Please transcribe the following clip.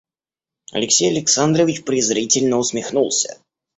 Алексей Александрович презрительно усмехнулся.